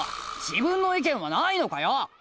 自分の意見はないのかよ！